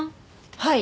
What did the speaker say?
はい。